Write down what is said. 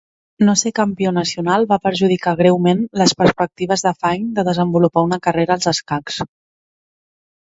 No ser campió nacional va perjudicar greument les perspectives de Fine de desenvolupar una carrera als escacs.